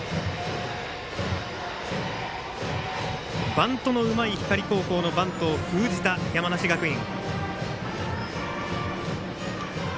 バントのうまい光高校のバントを封じた、山梨学院。